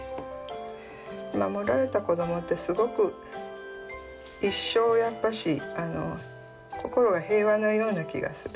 守られた子どもってすごく一生やっぱし心が平和なような気がする。